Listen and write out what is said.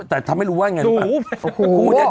แต่ทำให้รู้ว่าอย่างนี้